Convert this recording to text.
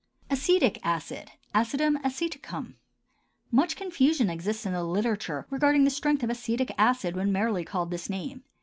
ACETIC ACID (ACIDUM ACETICUM). Much confusion exists in the literature regarding the strength of acetic acid when merely called by this name.